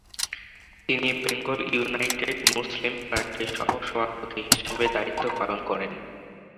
তিনি Bengal United Muslim পার্টির সহ-সভাপতি হিসেবে দায়িত্ব পালন করেন।